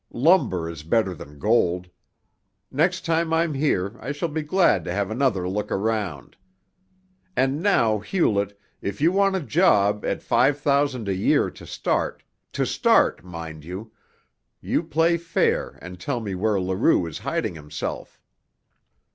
"Lumber is better than gold. Next time I'm here I shall be glad to have another look around. And now, Hewlett, if you want a job at five thousand a year to start to start, mind you, you play fair and tell me where Leroux is hiding himself."